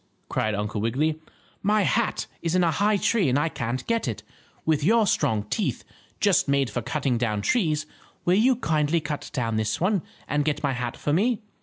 cried Uncle Wiggily. "My hat is in a high tree and I can't get it. With your strong teeth, just made for cutting down trees, will you kindly cut down this one, and get my hat for me?"